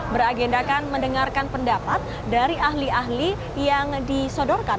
beragendakan mendengarkan pendapat dari ahli ahli yang disodorkan